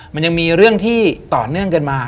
มันยังมีเรื่องที่ต่อเนื่องกันมา